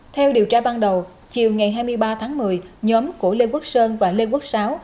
theo điều tra ban đầu chiều ngày hai mươi ba tháng một mươi nhóm của lê quốc sơn và lê quốc sáu